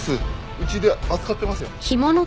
うちで扱っていますよ。